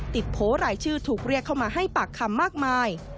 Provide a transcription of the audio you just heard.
โพสต์รายชื่อถูกเรียกเข้ามาให้ปากคำมากมาย